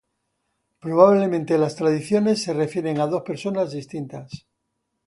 Probablemente las tradiciones se refieren a dos personas distintas.